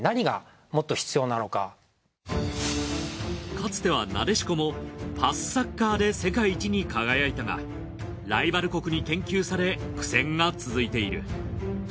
かつてはなでしこもパスサッカーで世界一に輝いたがライバル国に研究され苦戦が続いている。